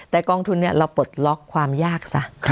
แต่กองทุนเราปลดล็อกความยากซะ